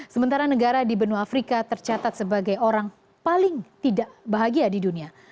sementara negara di benua afrika tercatat sebagai orang paling tidak bahagia di dunia